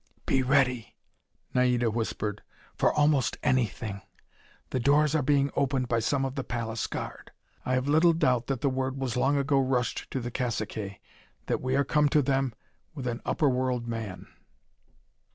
"Be ready," Naida whispered, "for almost anything. The doors are being opened by some of the palace guard. I have little doubt that word was long ago rushed to the caciques that we are come to them with an upper world man!"